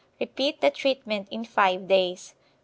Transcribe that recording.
Repeat the treatment in five days.